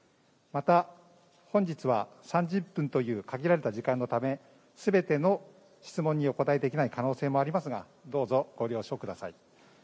また、本日は３０分という限られた時間のため、全ての質問にお答えできない可能性もありますがどうぞご了承ください。